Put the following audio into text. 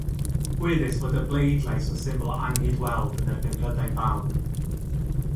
Gwyddys fod y bleidlais yn symbol o anghydweld yn erbyn Prydain Fawr.